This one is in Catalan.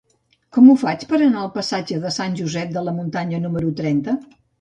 Com ho faig per anar al passatge de Sant Josep de la Muntanya número trenta?